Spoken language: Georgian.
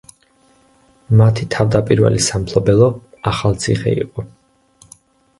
მათი თავდაპირველი სამფლობელო ახალციხე იყო.